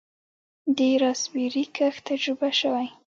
د راسبیري کښت تجربه شوی؟